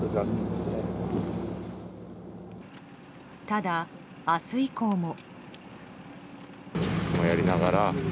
ただ、明日以降も。